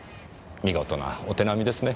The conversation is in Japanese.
見事なお手並みですね。